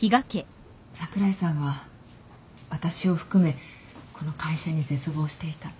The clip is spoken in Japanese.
櫻井さんは私を含めこの会社に絶望していた。